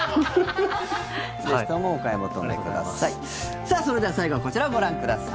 ぜひともお買い求めください。